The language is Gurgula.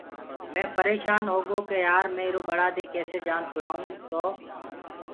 مي پريشآنٚ هوگو ڪي يآر مي ايٚرو ٻڙآ دي ڪيسي جآن ڇُڙآئونٚ تو